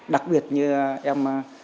đặc biệt như em